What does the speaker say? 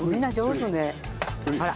あら。